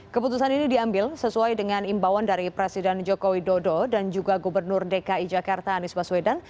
keputusan ini diambil sesuai dengan imbauan dari presiden joko widodo dan juga gubernur dki jakarta anies baswedan